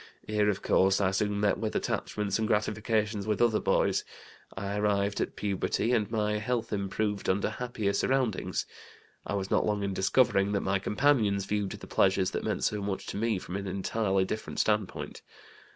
Here, of course, I soon met with attachments and gratifications with other boys. I arrived at puberty, and my health improved under happier surroundings. I was not long in discovering that my companions viewed the pleasures that meant so much to me from an entirely different standpoint.